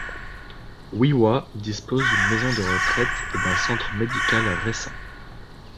Wee Waa dispose d'une maison de retraite et d'un centre médical récent.